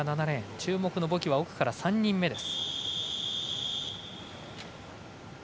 注目のボキは奥から３人目です。